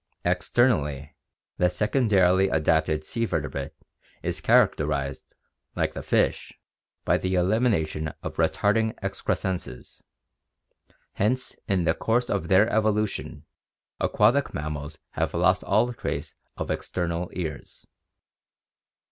Externally, the secondarily adapted sea vertebrate is charac terized, like the fish, by the elimination of retarding excrescences, hence in the course of their evolution aquatic mammals have lost all trace of external ears.